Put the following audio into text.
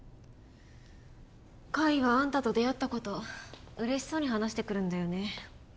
海があんたと出会ったこと嬉しそうに話してくるんだよね